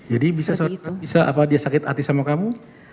jadi bisa apa dia sakit hati sama kamu